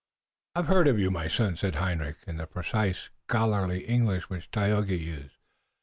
"I have heard of you, my son," said Hendrik, in the precise, scholarly English which Tayoga used.